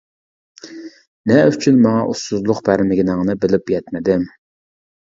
نە ئۈچۈن ماڭا ئۇسسۇزلۇق بەرمىگىنىڭنى بىلىپ يەتمىدىم.